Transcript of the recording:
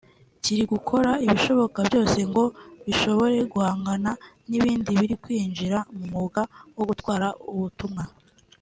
kiri gukora ibishoboka byose ngo gishobore guhangana n’ ibindi biri kwinjira mu mwuga wo gutwara ubutumwa